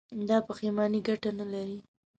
دا پښېماني گټه نه لري.